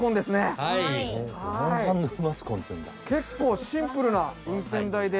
結構シンプルな運転台で。